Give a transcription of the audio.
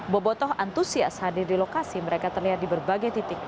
bobotoh antusias hadir di lokasi mereka terlihat di berbagai titik